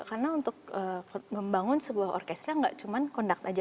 karena untuk membangun sebuah orkestra nggak cuma kondak aja